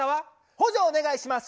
補助お願いします。